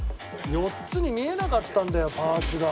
４つに見えなかったんだよパーツが。